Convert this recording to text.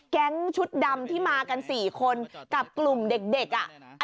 แก๊งชุดดำที่มากัน๔คนกับกลุ่มเด็กอ่ะ